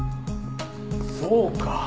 そうか！